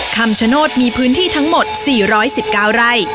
คำชโนธมีพื้นที่ทั้งหมด๔๑๙ไร่